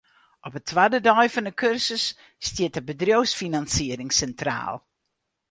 Op 'e twadde dei fan 'e kursus stiet de bedriuwsfinansiering sintraal.